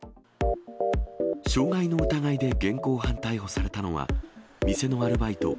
傷害の疑いで現行犯逮捕されたのは、店のアルバイト、